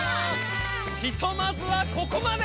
ひとまずはここまで！